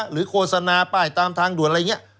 โฆษณาป้ายตามทางด่วนอะไรอย่างนี้